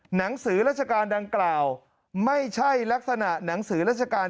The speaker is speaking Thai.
หนังสือราชการดังกล่าวไม่ใช่ลักษณะหนังสือราชการ